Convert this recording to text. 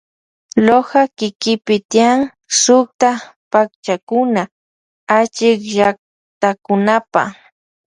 Loja kikipi tiyan sukta pakchakuna achikllaktakunapa.